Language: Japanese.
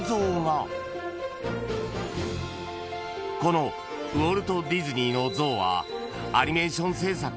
［このウォルト・ディズニーの像はアニメーション制作を始めた］